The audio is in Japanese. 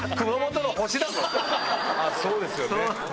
そうですよね。